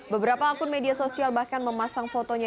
beberapa akun media sosial bahkan memasang fotonya